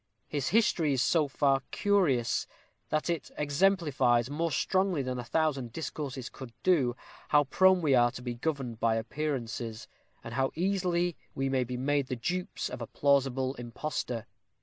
His history is so far curious, that it exemplifies, more strongly than a thousand discourses could do, how prone we are to be governed by appearances, and how easily we may be made the dupes of a plausible impostor.